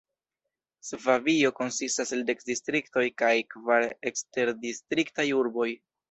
Ŝvabio konsistas el dek distriktoj kaj kvar eksterdistriktaj urboj.